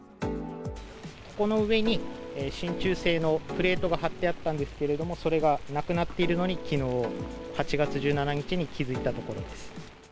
ここの上にしんちゅう製のプレートが貼ってあったんですけれども、それがなくなっているのにきのう８月１７日に気付いたところです。